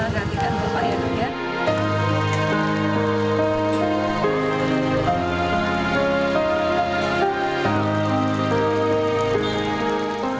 gak dikantuk banyak ya